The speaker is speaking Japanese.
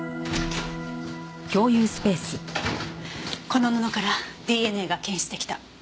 この布からＤＮＡが検出出来た。